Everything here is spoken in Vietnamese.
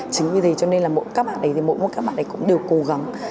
chính vì thế cho nên là mỗi một các bạn ấy cũng đều cố gắng